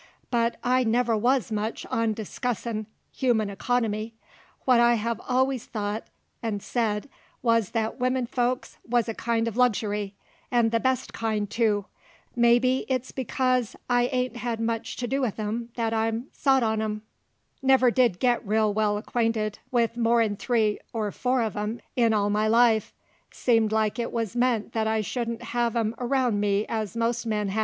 But I never wuz much on discussin' humin economy; what I hev allus thought 'nd said wuz that wimmin folks wuz a kind uv luxury, 'nd the best kind, too. Maybe it's because I hain't hed much to do with 'em that I'm sot on 'em. Never did get real well acquainted with more'n three or four uv 'em in all my life; seemed like it wuz meant that I shouldn't hev 'em round me as most men hev.